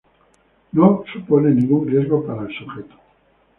No supone ningún riesgo para el sujeto.